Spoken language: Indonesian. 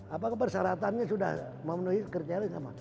apakah persyaratannya sudah memenuhi kerjaan sama